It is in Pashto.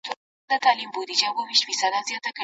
پښتو ژبه په نړیواله کچه غښتلې کړئ.